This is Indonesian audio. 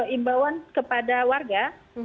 imbauan kepada warga